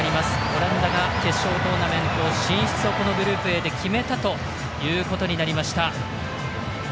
オランダが決勝トーナメント進出をこのグループＡで決めたということになりました。